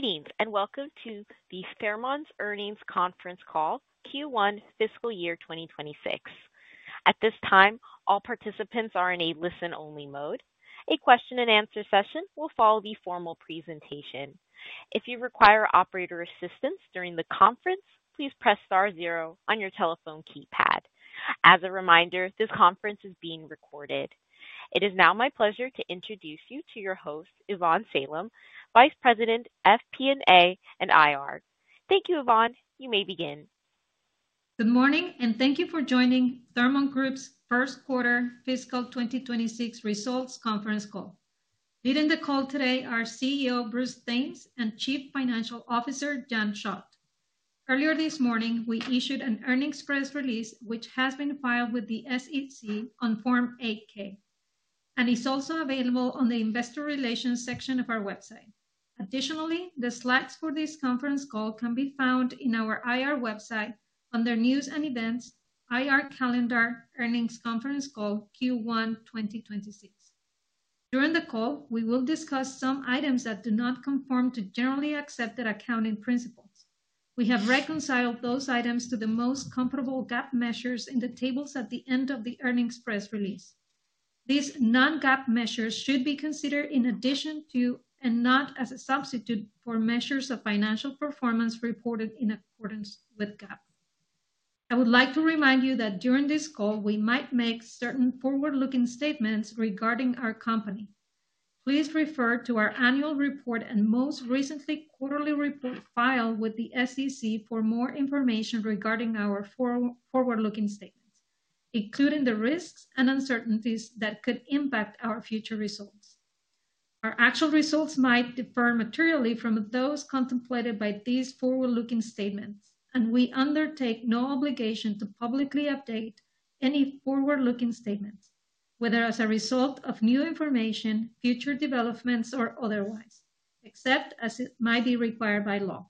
Greetings and welcome to the Thermon's earnings conference call, Q1 fiscal year 2026. At this time, all participants are in a listen-only mode. A question and answer session will follow the formal presentation. If you require operator assistance during the conference, please press star zero on your telephone keypad. As a reminder, this conference is being recorded. It is now my pleasure to introduce you to your host, Ivonne Salem, Vice President, FP&A, and IR. Thank you, Ivonne. You may begin. Good morning and thank you for joining Thermon Group Holdings' first quarter fiscal 2026 results conference call. Leading the call today are CEO Bruce Thames and Chief Financial Officer Jan Schott. Earlier this morning, we issued an earnings press release, which has been filed with the SEC on Form 8-K and is also available on the Investor Relations section of our website. Additionally, the slides for this conference call can be found on our IR website under News and Events, IR Calendar, Earnings Conference Call Q1 2026. During the call, we will discuss some items that do not conform to generally accepted accounting principles. We have reconciled those items to the most comparable GAAP measures in the tables at the end of the earnings press release. These non-GAAP measures should be considered in addition to and not as a substitute for measures of financial performance reported in accordance with GAAP. I would like to remind you that during this call, we might make certain forward-looking statements regarding our company. Please refer to our annual report and most recent quarterly report filed with the SEC for more information regarding our forward-looking statements, including the risks and uncertainties that could impact our future results. Our actual results might differ materially from those contemplated by these forward-looking statements, and we undertake no obligation to publicly update any forward-looking statements, whether as a result of new information, future developments, or otherwise, except as it might be required by law.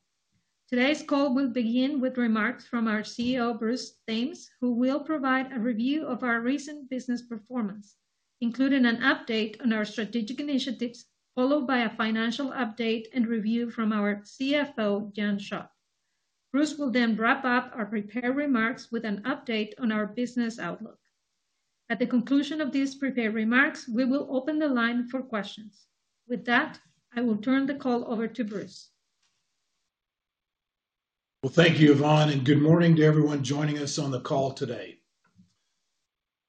Today's call will begin with remarks from our CEO, Bruce Thames, who will provide a review of our recent business performance, including an update on our strategic initiatives, followed by a financial update and review from our CFO, Jan Schott. Bruce will then wrap up our prepared remarks with an update on our business outlook. At the conclusion of these prepared remarks, we will open the line for questions. With that, I will turn the call over to Bruce. Thank you, Ivonne, and good morning to everyone joining us on the call today.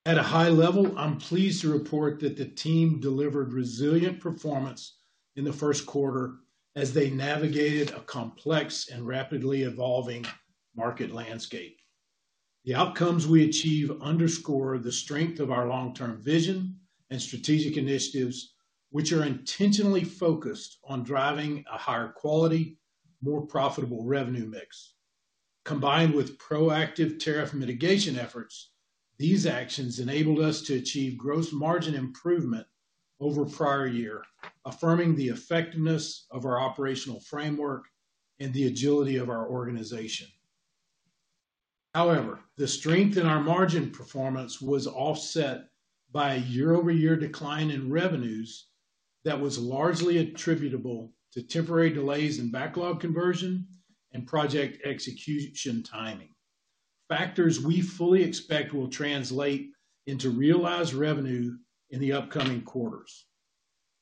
At a high level, I'm pleased to report that the team delivered resilient performance in the first quarter as they navigated a complex and rapidly evolving market landscape. The outcomes we achieve underscore the strength of our long-term vision and strategic initiatives, which are intentionally focused on driving a higher quality, more profitable revenue mix. Combined with proactive tariff mitigation efforts, these actions enabled us to achieve gross margin improvement over the prior year, affirming the effectiveness of our operational framework and the agility of our organization. However, the strength in our margin performance was offset by a year-over-year decline in revenues that was largely attributable to temporary delays in backlog conversion and project execution timing, factors we fully expect will translate into realized revenue in the upcoming quarters.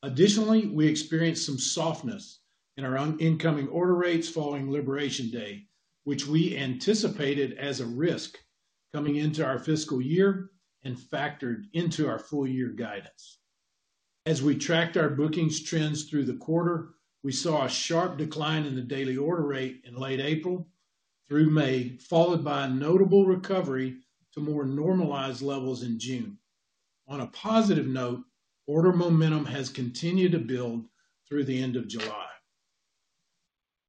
Additionally, we experienced some softness in our incoming order rates following Liberation Day, which we anticipated as a risk coming into our fiscal year and factored into our full-year guidance. As we tracked our bookings trends through the quarter, we saw a sharp decline in the daily order rate in late April through May, followed by a notable recovery to more normalized levels in June. On a positive note, order momentum has continued to build through the end of July.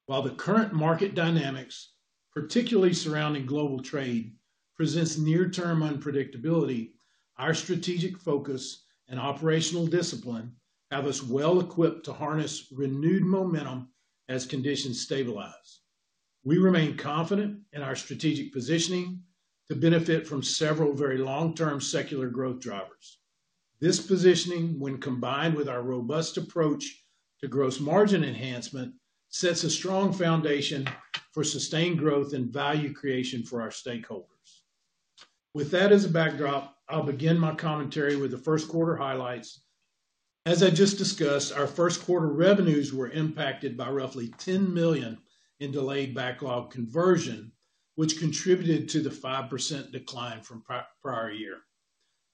While the current market dynamics, particularly surrounding global trade, present near-term unpredictability, our strategic focus and operational discipline have us well equipped to harness renewed momentum as conditions stabilize. We remain confident in our strategic positioning to benefit from several very long-term secular growth drivers. This positioning, when combined with our robust approach to gross margin enhancement, sets a strong foundation for sustained growth and value creation for our stakeholders. With that as a backdrop, I'll begin my commentary with the first quarter highlights. As I just discussed, our first quarter revenues were impacted by roughly $10 million in delayed backlog conversion, which contributed to the 5% decline from the prior year.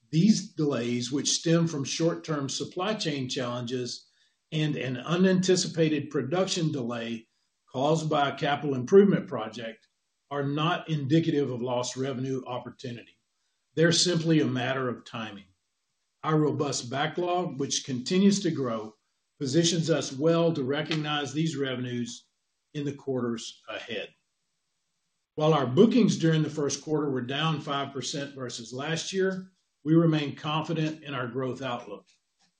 These delays, which stem from short-term supply chain challenges and an unanticipated production delay caused by a capital improvement project, are not indicative of lost revenue opportunity. They're simply a matter of timing. Our robust backlog, which continues to grow, positions us well to recognize these revenues in the quarters ahead. While our bookings during the first quarter were down 5% versus last year, we remain confident in our growth outlook.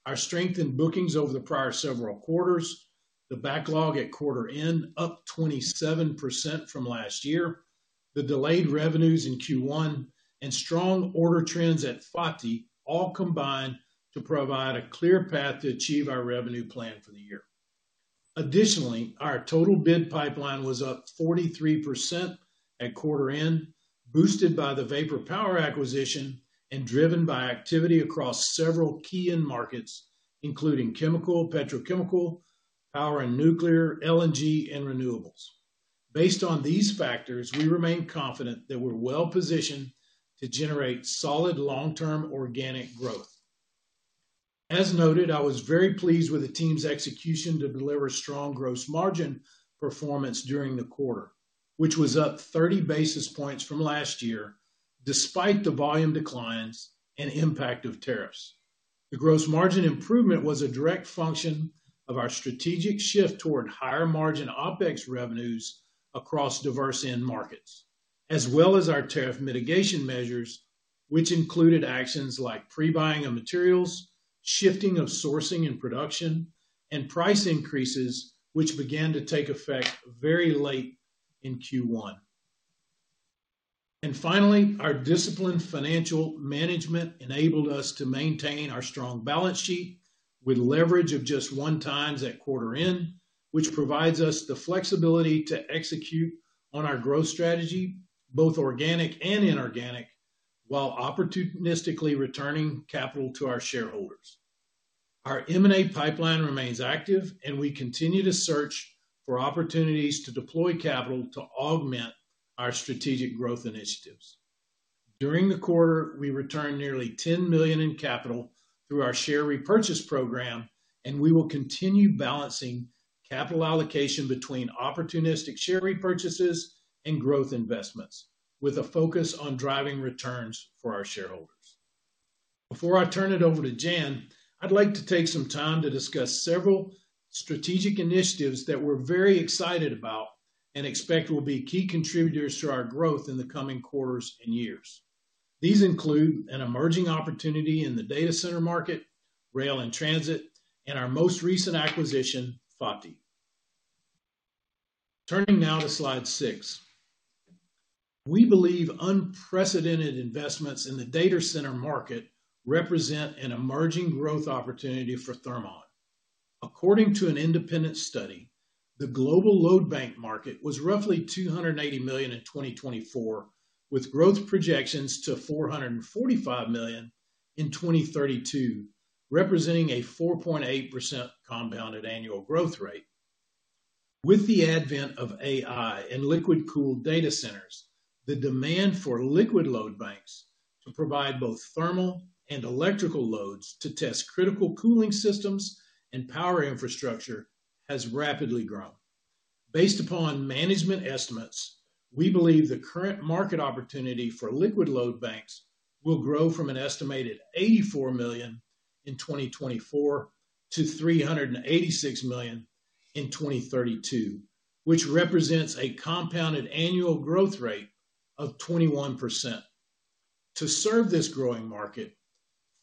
Our strength in bookings over the prior several quarters, the backlog at quarter end up 27% from last year, the delayed revenues in Q1, and strong order trends at Fati, Inc all combine to provide a clear path to achieve our revenue plan for the year. Additionally, our total bid pipeline was up 43% at quarter end, boosted by the Vapor Power acquisition and driven by activity across several key end markets, including chemical, petrochemical, power and nuclear, LNG, and renewables. Based on these factors, we remain confident that we're well positioned to generate solid long-term organic growth. As noted, I was very pleased with the team's execution to deliver strong gross margin performance during the quarter, which was up 30 basis points from last year, despite the volume declines and impact of tariffs. The gross margin improvement was a direct function of our strategic shift toward higher margin OPEX revenues across diverse end markets, as well as our tariff mitigation measures, which included actions like pre-buying of materials, shifting of sourcing and production, and price increases, which began to take effect very late in Q1. Finally, our disciplined financial management enabled us to maintain our strong balance sheet with leverage of just one times at quarter end, which provides us the flexibility to execute on our growth strategy, both organic and inorganic, while opportunistically returning capital to our shareholders. Our M&A pipeline remains active, and we continue to search for opportunities to deploy capital to augment our strategic growth initiatives. During the quarter, we returned nearly $10 million in capital through our share repurchase program, and we will continue balancing capital allocation between opportunistic share repurchases and growth investments, with a focus on driving returns for our shareholders. Before I turn it over to Jan, I'd like to take some time to discuss several strategic initiatives that we're very excited about and expect will be key contributors to our growth in the coming quarters and years. These include an emerging opportunity in the data center market, rail and transit, and our most recent acquisition, Fati, Inc. Turning now to slide six, we believe unprecedented investments in the data center market represent an emerging growth opportunity for Thermon. According to an independent study, the global load bank market was roughly $280 million in 2024, with growth projections to $445 million in 2032, representing a 4.8% CAGR. With the advent of AI and liquid-cooled data centers, the demand for liquid load banks to provide both thermal and electrical loads to test critical cooling systems and power infrastructure has rapidly grown. Based upon management estimates, we believe the current market opportunity for liquid load banks will grow from an estimated $84 million in 2024 to $386 million in 2032, which represents a CAGR of 21%. To serve this growing market,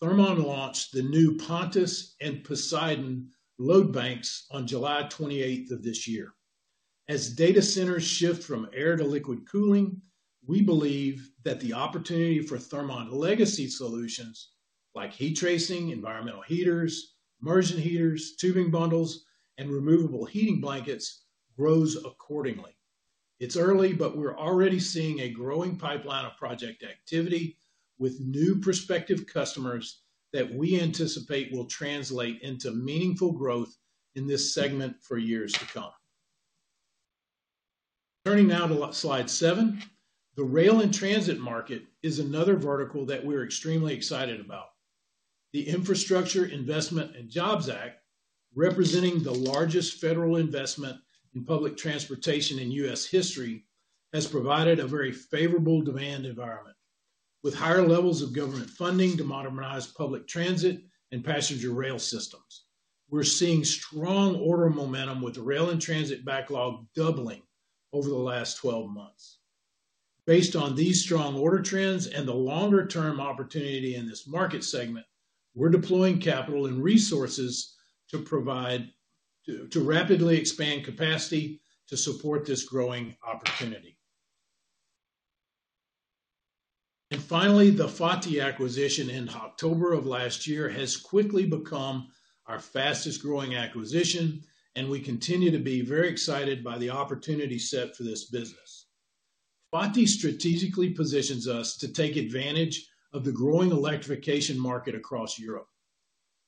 Thermon launched the new Pontus and Poseidon load banks on July 28th of this year. As data centers shift from air to liquid cooling, we believe that the opportunity for Thermon legacy solutions like heat tracing, environmental heaters, immersion heaters, tubing bundles, and removable heating blankets grows accordingly. It's early, but we're already seeing a growing pipeline of project activity with new prospective customers that we anticipate will translate into meaningful growth in this segment for years to come. Turning now to slide seven, the rail and transit market is another vertical that we're extremely excited about. The Infrastructure Investment and Jobs Act, representing the largest federal investment in public transportation in U.S. history, has provided a very favorable demand environment. With higher levels of government funding to modernize public transit and passenger rail systems, we're seeing strong order momentum with the rail and transit backlog doubling over the last 12 months. Based on these strong order trends and the longer-term opportunity in this market segment, we're deploying capital and resources to rapidly expand capacity to support this growing opportunity. Finally, the Fati, Inc. (FOTI) acquisition in October of last year has quickly become our fastest growing acquisition, and we continue to be very excited by the opportunity set for this business. FOTI strategically positions us to take advantage of the growing electrification market across Europe.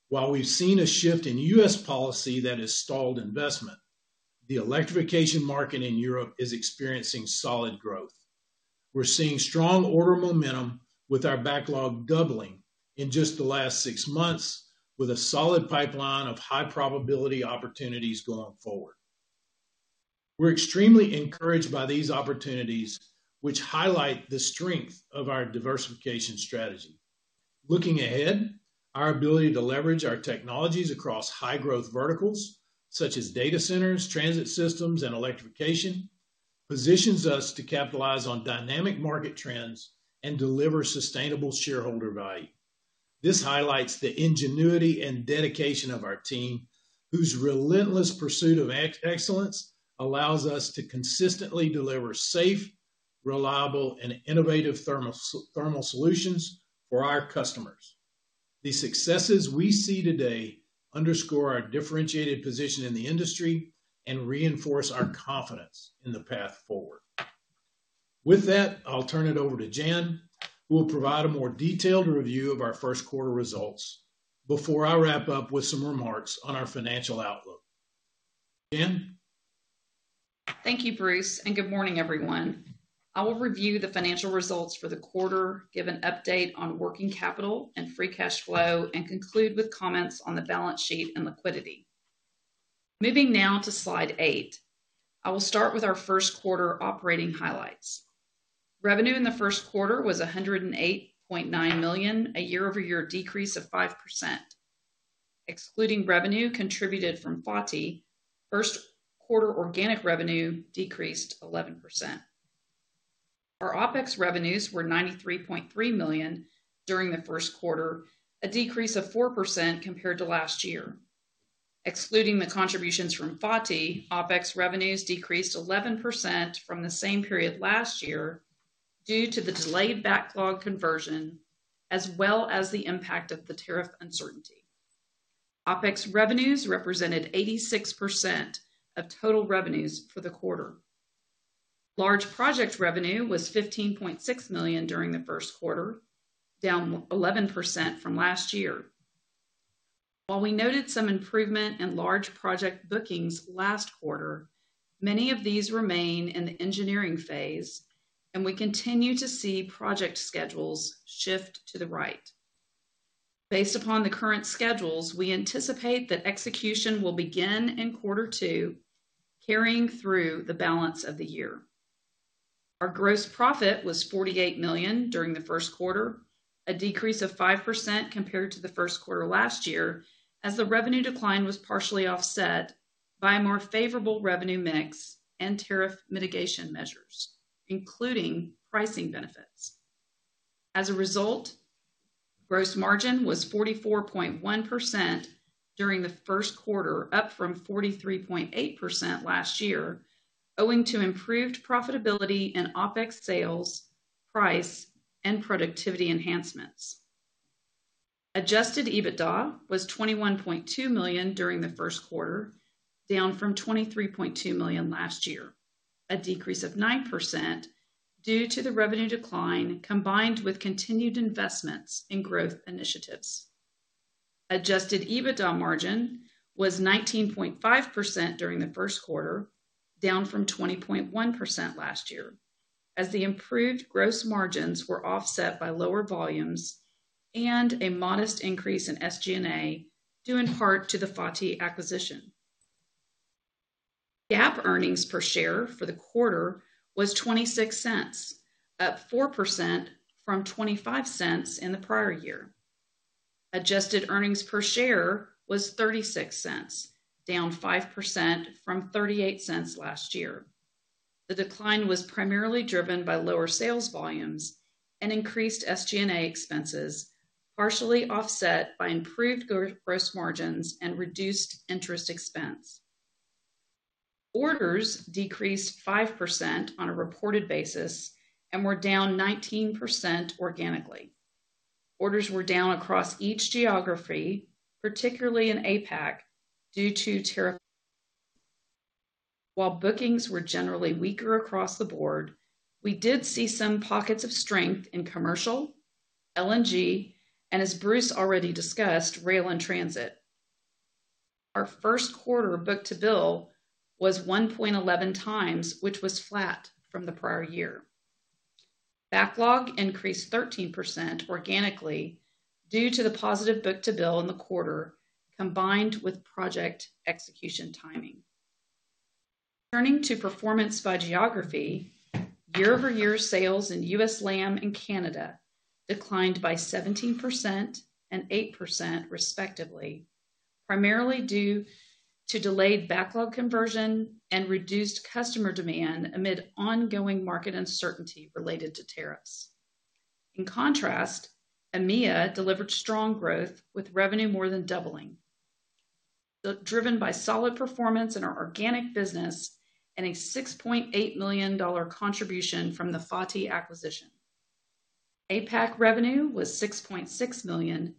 While we've seen a shift in U.S. policy that has stalled investment, the electrification market in Europe is experiencing solid growth. We're seeing strong order momentum with our backlog doubling in just the last six months, with a solid pipeline of high-probability opportunities going forward. We're extremely encouraged by these opportunities, which highlight the strength of our diversification strategy. Looking ahead, our ability to leverage our technologies across high-growth verticals, such as data centers, transit systems, and electrification, positions us to capitalize on dynamic market trends and deliver sustainable shareholder value. This highlights the ingenuity and dedication of our team, whose relentless pursuit of excellence allows us to consistently deliver safe, reliable, and innovative thermal solutions for our customers. The successes we see today underscore our differentiated position in the industry and reinforce our confidence in the path forward. With that, I'll turn it over to Jan, who will provide a more detailed review of our first quarter results before I wrap up with some remarks on our financial outlook. Jan? Thank you, Bruce, and good morning, everyone. I will review the financial results for the quarter, give an update on working capital and free cash flow, and conclude with comments on the balance sheet and liquidity. Moving now to slide eight, I will start with our first quarter operating highlights. Revenue in the first quarter was $108.9 million, a year-over-year decrease of 5%. Excluding revenue contributed from Fati, Inc., first quarter organic revenue decreased 11%. Our OPEX revenues were $93.3 million during the first quarter, a decrease of 4% compared to last year. Excluding the contributions from Fati, Inc., OPEX revenues decreased 11% from the same period last year due to the delayed backlog conversion, as well as the impact of the tariff uncertainty. OPEX revenues represented 86% of total revenues for the quarter. Large project revenue was $15.6 million during the first quarter, down 11% from last year. While we noted some improvement in large project bookings last quarter, many of these remain in the engineering phase, and we continue to see project schedules shift to the right. Based upon the current schedules, we anticipate that execution will begin in quarter two, carrying through the balance of the year. Our gross profit was $48 million during the first quarter, a decrease of 5% compared to the first quarter last year, as the revenue decline was partially offset by a more favorable revenue mix and tariff mitigation measures, including pricing benefits. As a result, gross margin was 44.1% during the first quarter, up from 43.8% last year, owing to improved profitability and OPEX sales, price, and productivity enhancements. Adjusted EBITDA was $21.2 million during the first quarter, down from $23.2 million last year, a decrease of 9% due to the revenue decline combined with continued investments in growth initiatives. Adjusted EBITDA margin was 19.5% during the first quarter, down from 20.1% last year, as the improved gross margins were offset by lower volumes and a modest increase in SG&A due in part to the Fati, Inc. acquisition. GAAP earnings per share for the quarter was $0.26, up 4% from $0.25 in the prior year. Adjusted earnings per share was $0.36, down 5% from $0.38 last year. The decline was primarily driven by lower sales volumes and increased SG&A expenses, partially offset by improved gross margins and reduced interest expense. Orders decreased 5% on a reported basis and were down 19% organically. Orders were down across each geography, particularly in APAC, due to tariffs. While bookings were generally weaker across the board, we did see some pockets of strength in commercial, LNG, and, as Bruce already discussed, rail and transit. Our first quarter book-to-bill was 1.11 times, which was flat from the prior year. Backlog increased 13% organically due to the positive book-to-bill in the quarter, combined with project execution timing. Turning to performance by geography, year-over-year sales in U.S. and Canada declined by 17% and 8% respectively, primarily due to delayed backlog conversion and reduced customer demand amid ongoing market uncertainty related to tariffs. In contrast, EMEA delivered strong growth with revenue more than doubling, driven by solid performance in our organic business and a $6.8 million contribution from the Fati, Inc. acquisition. APAC revenue was $6.6 million,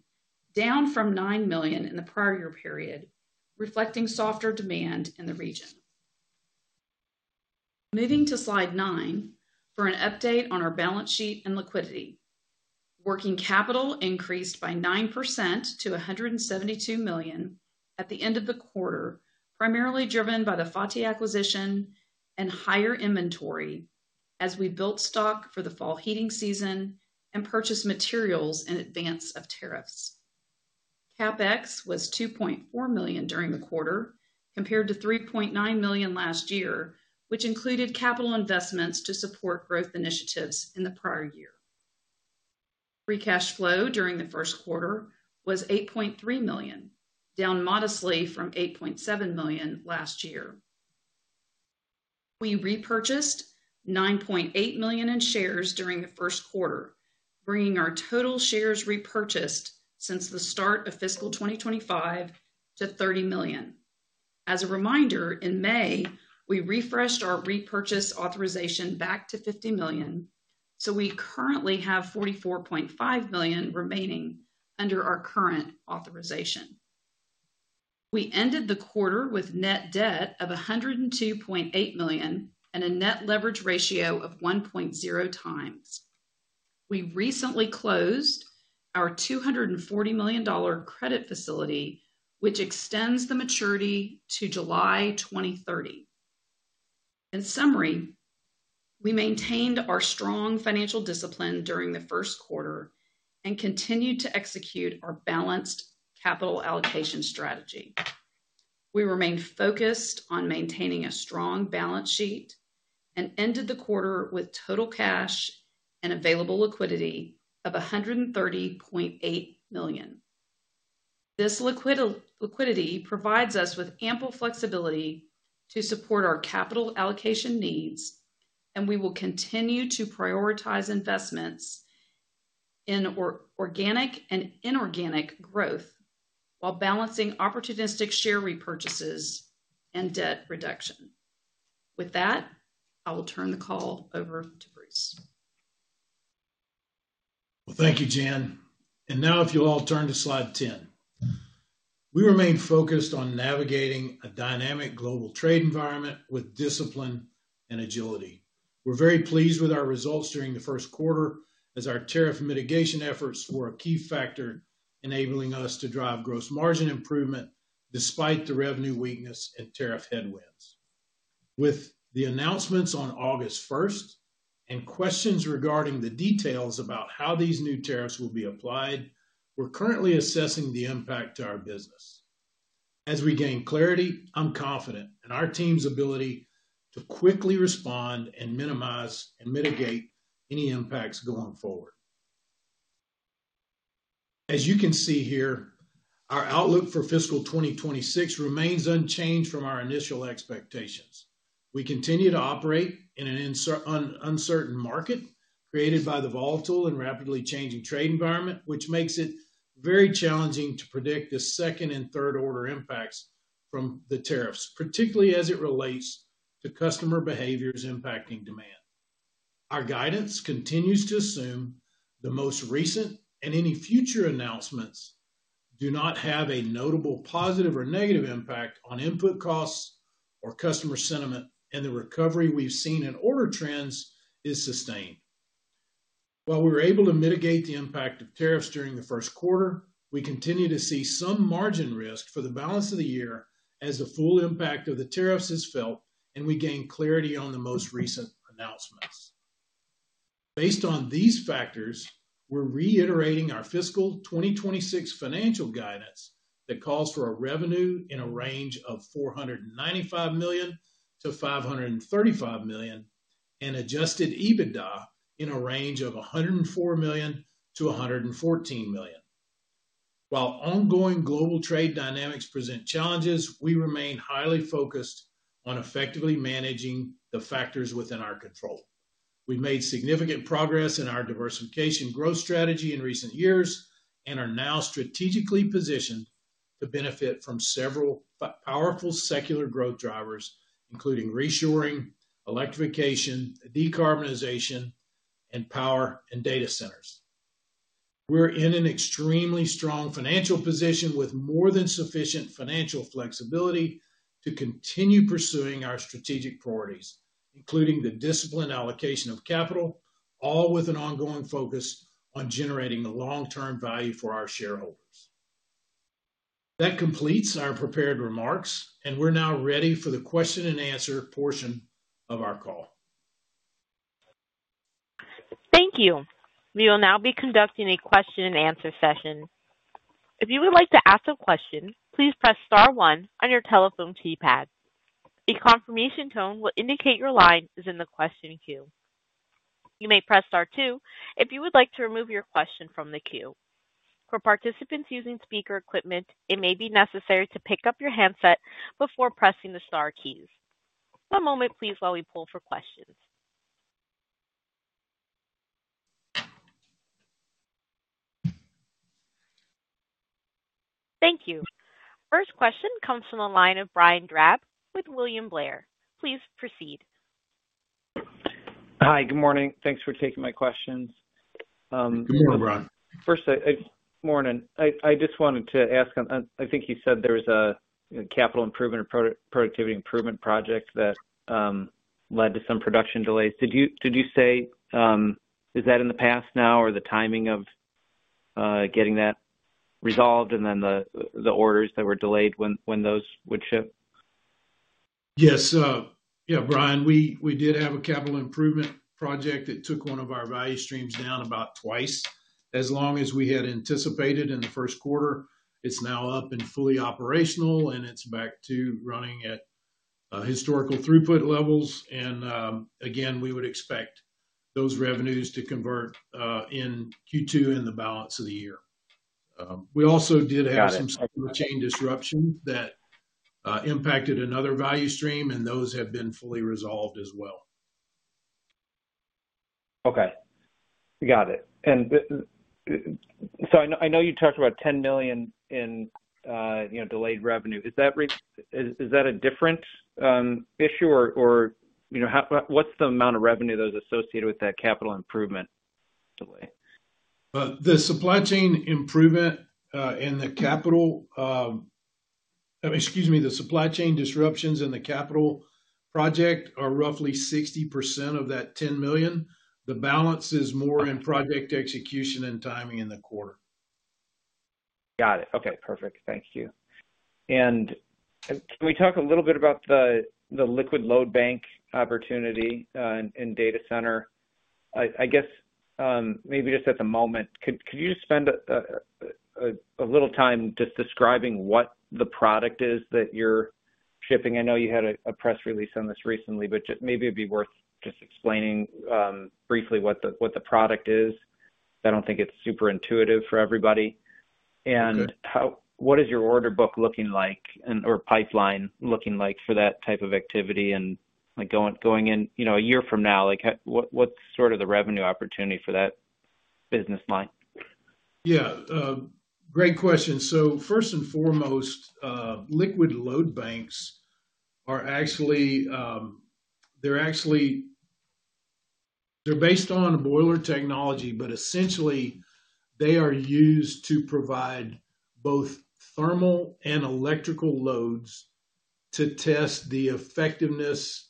down from $9 million in the prior year period, reflecting softer demand in the region. Moving to slide nine for an update on our balance sheet and liquidity. Working capital increased by 9% to $172 million at the end of the quarter, primarily driven by the Fati, Inc. acquisition and higher inventory as we built stock for the fall heating season and purchased materials in advance of tariffs. CapEx was $2.4 million during the quarter, compared to $3.9 million last year, which included capital investments to support growth initiatives in the prior year. Free cash flow during the first quarter was $8.3 million, down modestly from $8.7 million last year. We repurchased $9.8 million in shares during the first quarter, bringing our total shares repurchased since the start of fiscal 2025 to $30 million. As a reminder, in May, we refreshed our repurchase authorization back to $50 million, so we currently have $44.5 million remaining under our current authorization. We ended the quarter with net debt of $102.8 million and a net leverage ratio of 1.0 times. We recently closed our $240 million credit facility, which extends the maturity to July 2030. In summary, we maintained our strong financial discipline during the first quarter and continued to execute our balanced capital allocation strategy. We remain focused on maintaining a strong balance sheet and ended the quarter with total cash and available liquidity of $130.8 million. This liquidity provides us with ample flexibility to support our capital allocation needs, and we will continue to prioritize investments in organic and inorganic growth while balancing opportunistic share repurchases and debt reduction. With that, I will turn the call over to Bruce. Thank you, Jan. If you all turn to slide ten, we remain focused on navigating a dynamic global trade environment with discipline and agility. We're very pleased with our results during the first quarter, as our tariff mitigation efforts were a key factor enabling us to drive gross margin improvement despite the revenue weakness and tariff headwinds. With the announcements on August 1 and questions regarding the details about how these new tariffs will be applied, we're currently assessing the impact to our business. As we gain clarity, I'm confident in our team's ability to quickly respond and minimize and mitigate any impacts going forward. As you can see here, our outlook for fiscal 2026 remains unchanged from our initial expectations. We continue to operate in an uncertain market created by the volatile and rapidly changing trade environment, which makes it very challenging to predict the second and third order impacts from the tariffs, particularly as it relates to customer behaviors impacting demand. Our guidance continues to assume the most recent and any future announcements do not have a notable positive or negative impact on input costs or customer sentiment, and the recovery we've seen in order trends is sustained. While we were able to mitigate the impact of tariffs during the first quarter, we continue to see some margin risk for the balance of the year as the full impact of the tariffs is felt, and we gain clarity on the most recent announcements. Based on these factors, we're reiterating our fiscal 2026 financial guidance that calls for revenue in a range of $495 million to $535 million and adjusted EBITDA in a range of $104 million to $114 million. Ongoing global trade dynamics present challenges, and we remain highly focused on effectively managing the factors within our control. We've made significant progress in our diversification growth strategy in recent years and are now strategically positioned to benefit from several powerful secular growth drivers, including reshoring, electrification, decarbonization, and power and data centers. We're in an extremely strong financial position with more than sufficient financial flexibility to continue pursuing our strategic priorities, including the disciplined allocation of capital, all with an ongoing focus on generating the long-term value for our shareholders. That completes our prepared remarks, and we're now ready for the question and answer portion of our call. Thank you. We will now be conducting a question and answer session. If you would like to ask a question, please press star one on your telephone keypad. A confirmation tone will indicate your line is in the question queue. You may press star two if you would like to remove your question from the queue. For participants using speaker equipment, it may be necessary to pick up your handset before pressing the star keys. One moment, please, while we pull for questions. Thank you. First question comes from the line of Brian Drab with William Blair. Please proceed. Hi, good morning. Thanks for taking my questions. Good morning, Brian. First, good morning. I just wanted to ask, I think you said there was a capital improvement or productivity improvement project that led to some production delays. Did you say, is that in the past now, or the timing of getting that resolved and then the orders that were delayed when those would ship? Yes. Brian, we did have a capital improvement project that took one of our value streams down about twice as long as we had anticipated in the first quarter. It's now up and fully operational, and it's back to running at historical throughput levels. We would expect those revenues to convert in Q2 in the balance of the year. We also did have some supply chain disruptions that impacted another value stream, and those have been fully resolved as well. Okay. You got it. I know you talked about $10 million in delayed revenue. Is that a different issue, or what's the amount of revenue that is associated with that capital improvement? The supply chain disruptions in the capital project are roughly 60% of that $10 million. The balance is more in project execution and timing in the quarter. Got it. Okay. Perfect. Thank you. Can we talk a little bit about the liquid load bank opportunity in data center? I guess maybe just at the moment, could you just spend a little time just describing what the product is that you're shipping? I know you had a press release on this recently, but maybe it'd be worth just explaining briefly what the product is. I don't think it's super intuitive for everybody. What is your order book looking like and/or pipeline looking like for that type of activity? Going in a year from now, what's sort of the revenue opportunity for that business line? Yeah, great question. First and foremost, liquid load banks are actually based on a boiler technology, but essentially, they are used to provide both thermal and electrical loads to test the effectiveness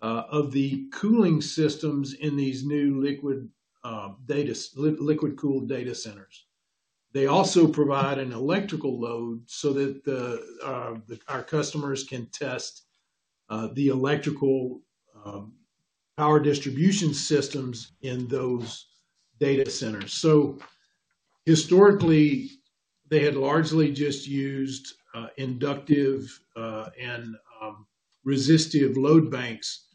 of the cooling systems in these new liquid-cooled data centers. They also provide an electrical load so that our customers can test the electrical power distribution systems in those data centers. Historically, they had largely just used inductive and resistive load banks.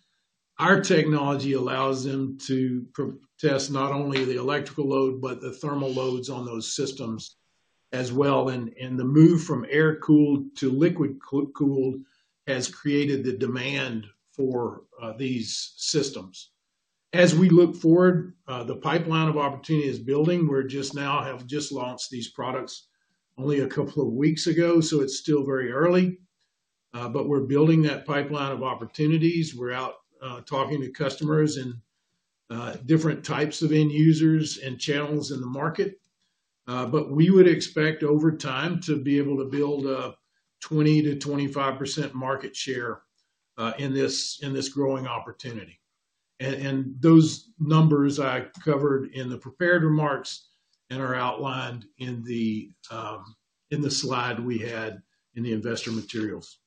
Our technology allows them to test not only the electrical load, but the thermal loads on those systems as well. The move from air-cooled to liquid-cooled has created the demand for these systems. As we look forward, the pipeline of opportunity is building. We just now have launched these products only a couple of weeks ago, so it's still very early. We're building that pipeline of opportunities. We're out talking to customers and different types of end users and channels in the market. We would expect over time to be able to build a 20 to 25% market share in this growing opportunity. Those numbers I covered in the prepared remarks and are outlined in the slide we had in the investor materials.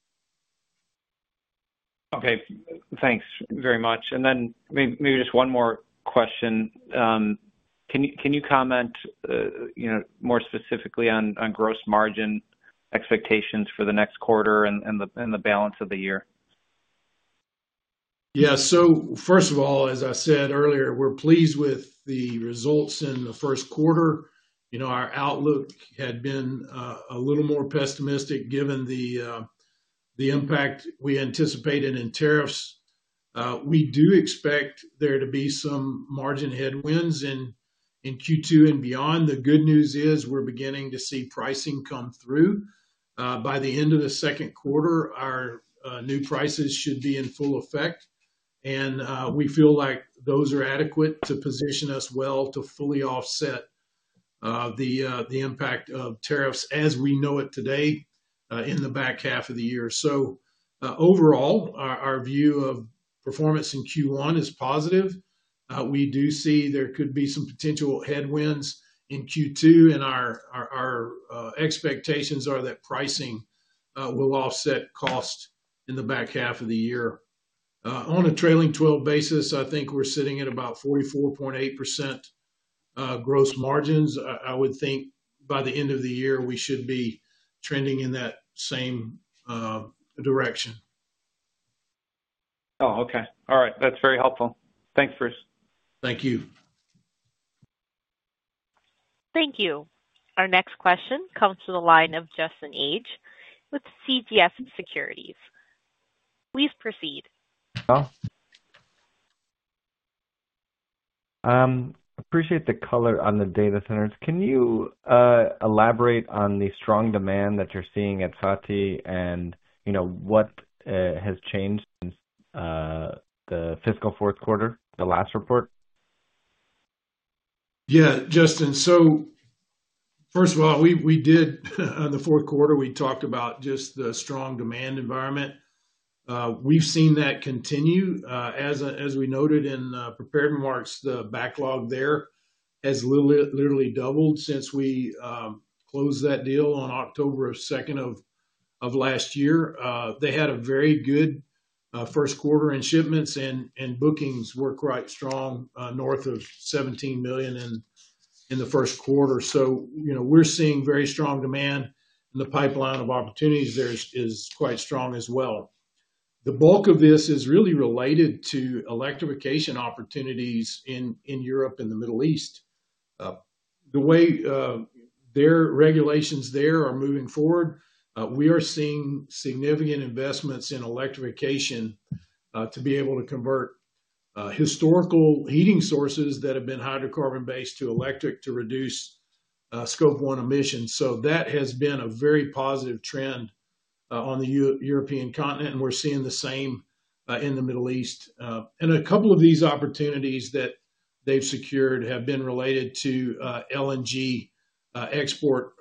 Okay. Thanks very much. Maybe just one more question. Can you comment more specifically on gross margin expectations for the next quarter and the balance of the year? Yeah. First of all, as I said earlier, we're pleased with the results in the first quarter. Our outlook had been a little more pessimistic given the impact we anticipated in tariffs. We do expect there to be some margin headwinds in Q2 and beyond. The good news is we're beginning to see pricing come through. By the end of the second quarter, our new prices should be in full effect. We feel like those are adequate to position us well to fully offset the impact of tariffs as we know it today in the back half of the year. Overall, our view of performance in Q1 is positive. We do see there could be some potential headwinds in Q2, and our expectations are that pricing will offset costs in the back half of the year. On a trailing 12 basis, I think we're sitting at about 44.8% gross margins. I would think by the end of the year, we should be trending in that same direction. Oh, okay. All right. That's very helpful. Thanks, Bruce. Thank you. Thank you. Our next question comes from the line of Justin Ages with CJS Securities. Please proceed. I appreciate the color on the data centers. Can you elaborate on the strong demand that you're seeing at Fati, Inc., and what has changed since the fiscal fourth quarter, the last report? Yeah, Justin. First of all, we did on the fourth quarter, we talked about just the strong demand environment. We've seen that continue. As we noted in prepared remarks, the backlog there has literally doubled since we closed that deal on October 2, 2023. They had a very good first quarter in shipments, and bookings were quite strong, north of $17 million in the first quarter. We're seeing very strong demand, and the pipeline of opportunities there is quite strong as well. The bulk of this is really related to electrification opportunities in Europe and the Middle East. The way their regulations there are moving forward, we are seeing significant investments in electrification to be able to convert historical heating sources that have been hydrocarbon-based to electric to reduce Scope 1 emissions. That has been a very positive trend on the European continent, and we're seeing the same in the Middle East. A couple of these opportunities that they've secured have been related to LNG export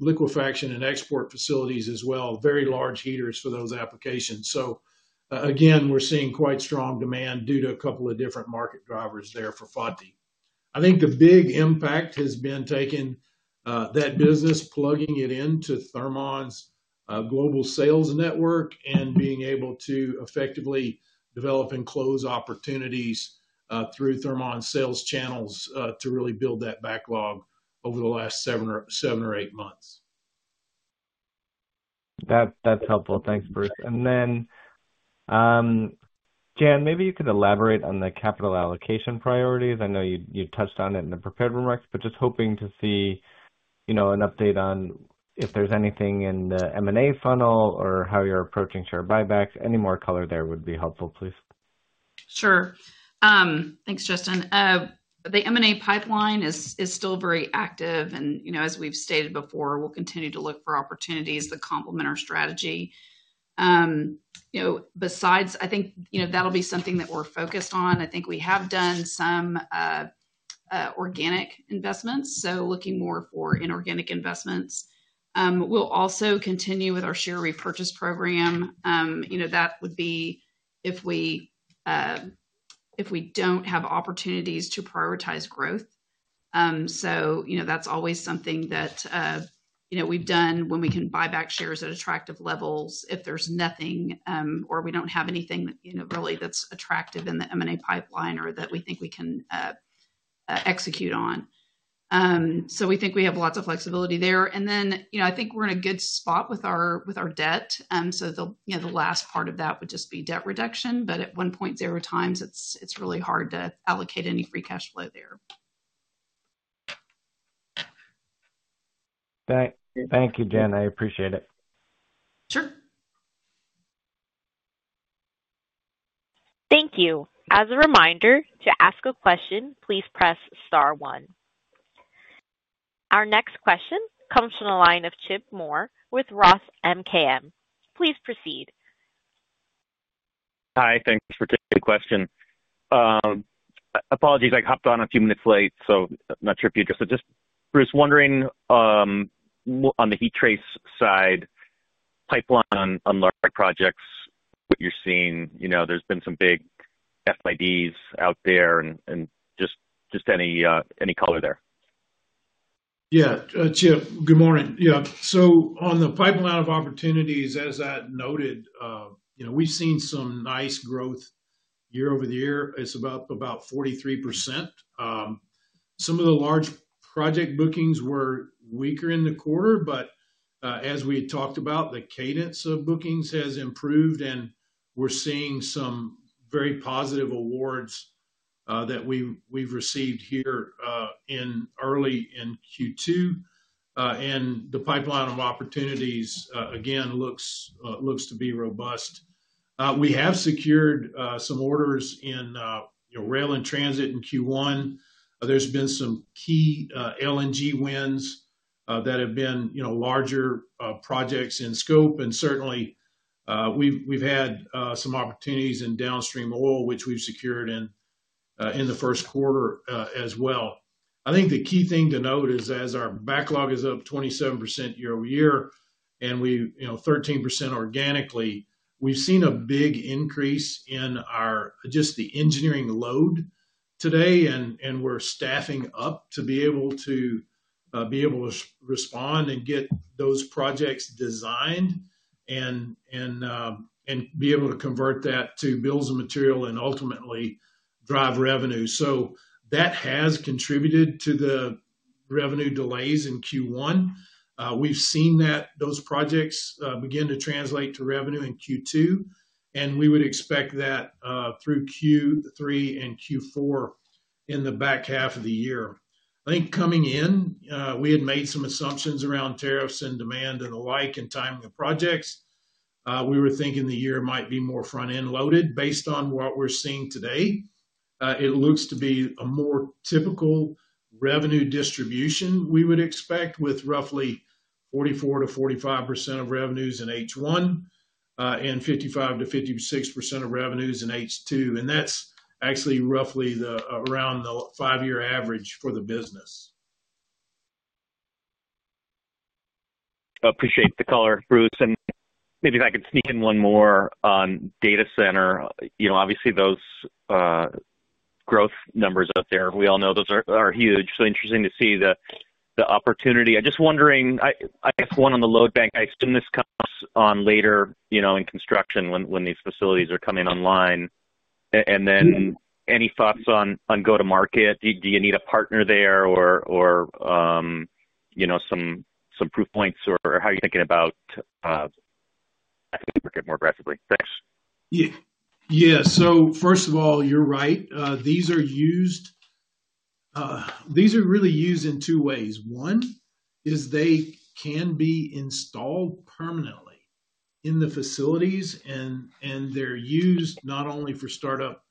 liquefaction and export facilities as well, very large heaters for those applications. We're seeing quite strong demand due to a couple of different market drivers there for Fati, Inc. I think the big impact has been taking that business, plugging it into Thermon Group Holdings' global sales network, and being able to effectively develop and close opportunities through Thermon's sales channels to really build that backlog over the last seven or eight months. That's helpful. Thanks, Bruce. Jan, maybe you could elaborate on the capital allocation priorities. I know you touched on it in the prepared remarks, just hoping to see an update on if there's anything in the M&A funnel or how you're approaching share buybacks. Any more color there would be helpful, please. Sure. Thanks, Justin. The M&A pipeline is still very active, and as we've stated before, we'll continue to look for opportunities that complement our strategy. I think that'll be something that we're focused on. I think we have done some organic investments, so looking more for inorganic investments. We'll also continue with our share repurchase program. That would be if we don't have opportunities to prioritize growth. That's always something that we've done when we can buy back shares at attractive levels if there's nothing or we don't have anything really that's attractive in the M&A pipeline or that we think we can execute on. We think we have lots of flexibility there. I think we're in a good spot with our debt. The last part of that would just be debt reduction, but at 1.0 times, it's really hard to allocate any free cash flow there. Thank you, Jan. I appreciate it. Sure. Thank you. As a reminder, to ask a question, please press star one. Our next question comes from the line of Chip Moore with ROTH MKM. Please proceed. Hi. Thanks for taking the question. Apologies. I hopped on a few minutes late, so I'm not sure if you addressed it. Bruce I was wondering on the heat trace side pipeline on large projects, what you're seeing, you know, there's been some big FYDs out there and just any color there. Yeah. Chip, good morning. Yeah. On the pipeline of opportunities, as I noted, we've seen some nice growth year over year. It's about 43%. Some of the large project bookings were weaker in the quarter, but as we had talked about, the cadence of bookings has improved, and we're seeing some very positive awards that we've received here early in Q2. The pipeline of opportunities, again, looks to be robust. We have secured some orders in rail and transit in Q1. There have been some key LNG wins that have been larger projects in scope. Certainly, we've had some opportunities in downstream oil, which we've secured in the first quarter as well. I think the key thing to note is, as our backlog is up 27% year over year and 13% organically, we've seen a big increase in just the engineering load today, and we're staffing up to be able to respond and get those projects designed and be able to convert that to bills of material and ultimately drive revenue. That has contributed to the revenue delays in Q1. We've seen that those projects begin to translate to revenue in Q2, and we would expect that through Q3 and Q4 in the back half of the year. I think coming in, we had made some assumptions around tariffs and demand and the like in timely projects. We were thinking the year might be more front-end loaded. Based on what we're seeing today, it looks to be a more typical revenue distribution we would expect with roughly 44% to 45% of revenues in H1 and 55% to 56% of revenues in H2. That's actually roughly around the five-year average for the business. I appreciate the color, Bruce. Maybe if I could sneak in one more on data center. Obviously, those growth numbers out there, we all know those are huge. Interesting to see the opportunity. I'm just wondering, I guess one on the load bank, I assume this comes on later in construction when these facilities are coming online. Any thoughts on go-to-market? Do you need a partner there or some proof points, or how are you thinking about marketing more aggressively? Thanks. Yeah. So first of all, you're right. These are used, these are really used in two ways. One is they can be installed permanently in the facilities, and they're used not only for startup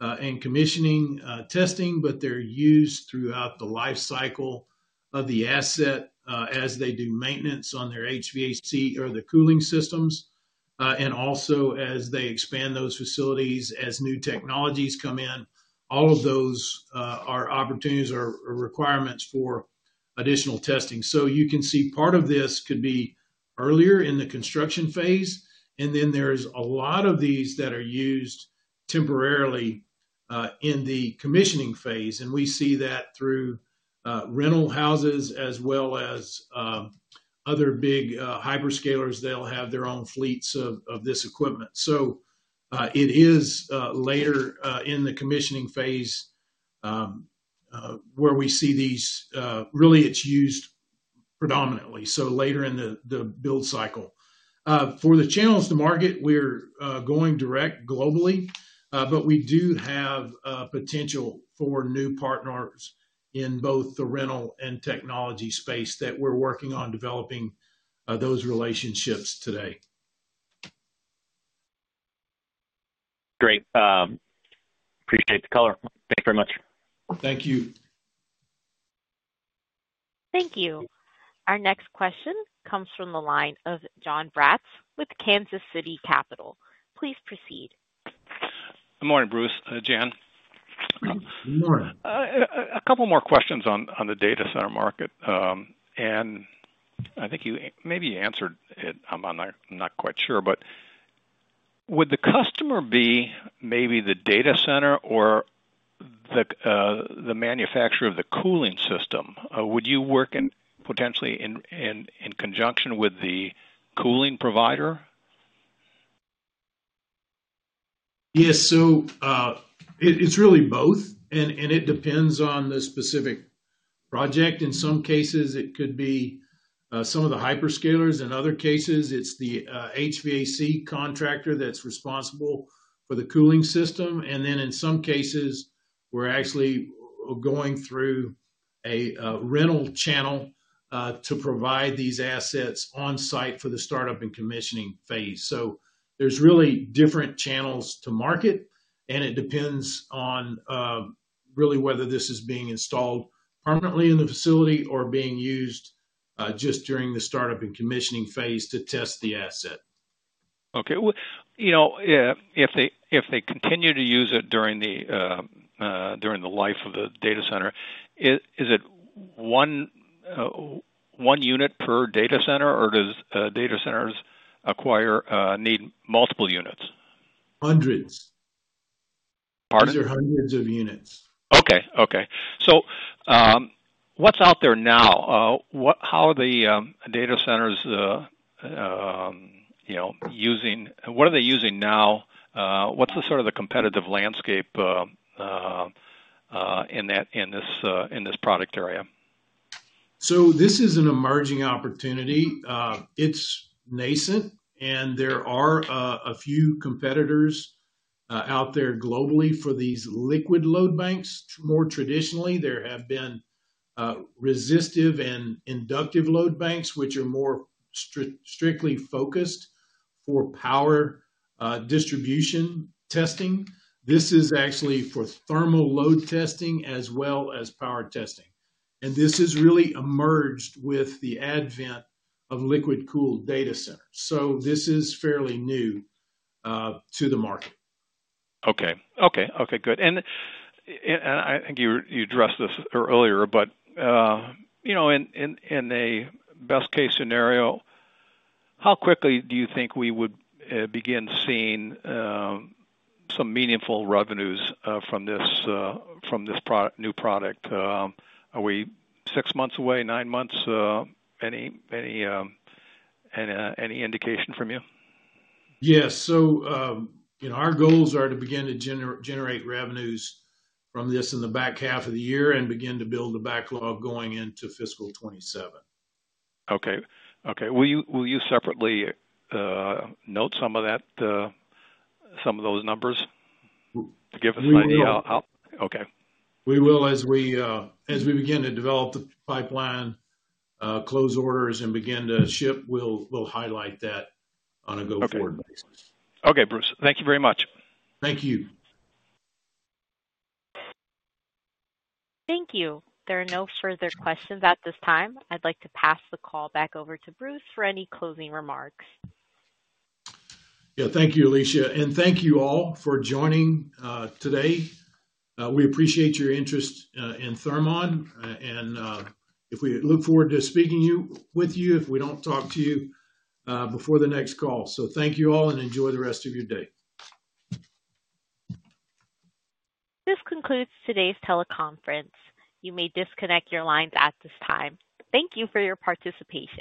and commissioning testing, but they're used throughout the life cycle of the asset as they do maintenance on their HVAC or the cooling systems. Also, as they expand those facilities, as new technologies come in, all of those are opportunities or requirements for additional testing. You can see part of this could be earlier in the construction phase, and then there's a lot of these that are used temporarily in the commissioning phase. We see that through rental houses as well as other big hyperscalers. They'll have their own fleets of this equipment. It is later in the commissioning phase where we see these, really, it's used predominantly. Later in the build cycle. For the channels to market, we're going direct globally, but we do have potential for new partners in both the rental and technology space that we're working on developing those relationships today. Great. Appreciate the color. Thanks very much. Thank you. Thank you. Our next question comes from the line of Jon Braatz with Kansas City Capital. Please proceed. Good morning, Bruce. Jan. Good morning. A couple more questions on the data center market. I think you maybe answered it. I'm not quite sure, but would the customer be maybe the data center or the manufacturer of the cooling system? Would you work potentially in conjunction with the cooling provider? Yes. It's really both, and it depends on the specific project. In some cases, it could be some of the hyperscalers. In other cases, it's the HVAC contractor that's responsible for the cooling system. In some cases, we're actually going through a rental channel to provide these assets on-site for the startup and commissioning phase. There are really different channels to market, and it depends on whether this is being installed permanently in the facility or being used just during the startup and commissioning phase to test the asset. Okay. If they continue to use it during the life of the data center, is it one unit per data center, or do data centers need multiple units? Hundreds. Pardon? These are hundreds of units. Okay. What's out there now? How are the data centers using? What are they using now? What's the sort of the competitive landscape in this product area? This is an emerging opportunity. It's nascent, and there are a few competitors out there globally for these liquid load banks. More traditionally, there have been resistive and inductive load banks, which are more strictly focused for power distribution testing. This is actually for thermal load testing as well as power testing. This has really emerged with the advent of liquid-cooled data centers. This is fairly new to the market. Okay. Good. I think you addressed this earlier, but in a best-case scenario, how quickly do you think we would begin seeing some meaningful revenues from this new product? Are we six months away, nine months? Any indication from you? Yes. You know our goals are to begin to generate revenues from this in the back half of the year and begin to build the backlog going into fiscal 2027. Okay. Will you separately note some of that, some of those numbers to give us an idea? We will. Okay. As we begin to develop the pipeline, close orders, and begin to ship, we'll highlight that on a go-forward basis. Okay Bruce, thank you very much Thank you. Thank you. There are no further questions at this time. I'd like to pass the call back over to Bruce for any closing remarks. Thank you, Alicia. Thank you all for joining today. We appreciate your interest in Thermon, and we look forward to speaking with you if we don't talk to you before the next call. Thank you all and enjoy the rest of your day. This concludes today's teleconference. You may disconnect your lines at this time. Thank you for your participation.